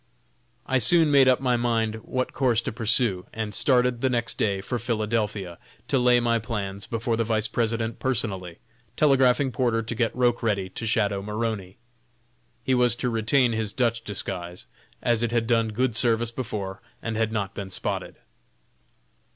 I soon made up my mind what course to pursue, and started the next day for Philadelphia, to lay my plans before the Vice President personally; telegraphing Porter to get Roch ready to shadow Maroney. He was to retain his Dutch disguise, as it had done good service before, and had not been "spotted."